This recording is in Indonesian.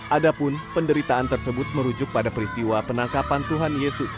adapun penderitaan tersebut merujuk pada peristiwa penangkapan tuhan yesus